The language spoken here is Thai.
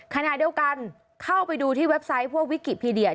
ขณะเดียวกันเข้าไปดูที่เว็บไซต์พวกวิกิพีเดีย